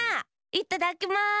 いっただきます！